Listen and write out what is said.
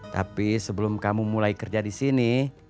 tapi sebelum kamu mulai kerja di sini